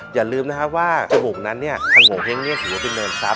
อย่าลืมนะครับว่าจมูกนั้นเนี่ยพังโงเห้งถือว่าเป็นเนินทรัพ